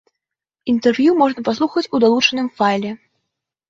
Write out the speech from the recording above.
Інтэрв'ю можна паслухаць у далучаным файле.